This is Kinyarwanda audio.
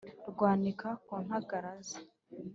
Rwanika ku ntagara ze